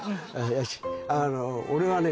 よしあの俺はね